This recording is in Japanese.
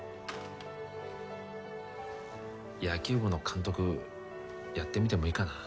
野球部の監督やってみてもいいかな？